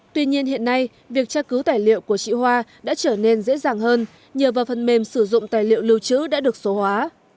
tuy nhiên hiện nay việc tra cứu tài liệu của chị hoa đã trở nên dễ dàng hơn nhờ vào phần mềm sử dụng tài liệu lưu trữ đã được số hóa